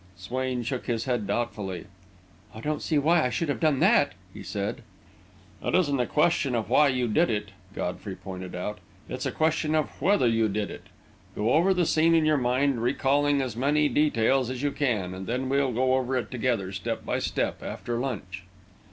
Swain shook his head doubtfully. "I don't see why I should have done that," he said. "It isn't a question of why you did it," Godfrey pointed out. "It's a question of whether you did it. Go over the scene in your mind, recalling as many details as you can, and then we'll go over it together, step by step, after lunch."